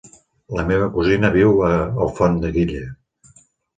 La meva cosina viu a Alfondeguilla.